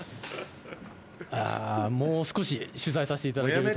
もう少し取材させていただけると。